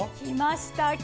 きました。